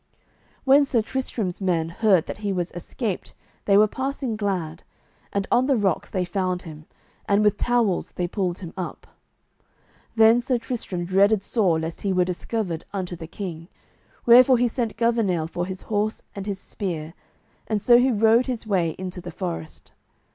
When Sir Tristram's men heard that he was escaped they were passing glad, and on the rocks they found him, and with towels they pulled him up. Then Sir Tristram dreaded sore lest he were discovered unto the king, wherefore he sent Gouvernail for his horse and his spear, and so he rode his way into the forest.